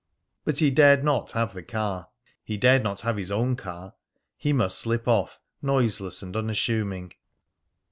But he dared not have the car. He dared not have his own car. He must slip off, noiseless and unassuming.